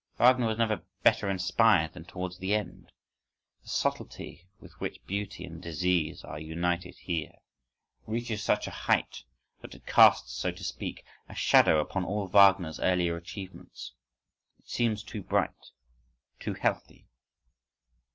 Wagner was never better inspired than towards the end. The subtlety with which beauty and disease are united here, reaches such a height, that it casts so to speak a shadow upon all Wagner's earlier achievements: it seems too bright, too healthy.